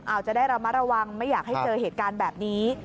อาจจะได้ระมัดระวังไม่อยากให้เจอเหตุการณ์แบบนี้